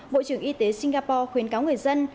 bộ trưởng y tế singapore khuyến cáo người dân